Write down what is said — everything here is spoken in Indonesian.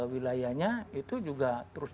wilayahnya itu juga terus